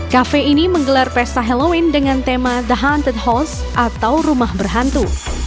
kafe ini menggelar pesta halloween dengan tema the hunted house atau rumah berhantu